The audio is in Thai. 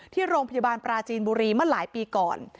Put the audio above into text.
ที่โรงพยาบาลปราจีนบุรีเมื่อหลายปีก่อน